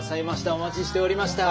お待ちしておりました。